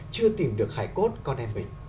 chưa tìm được hải cốt con em mình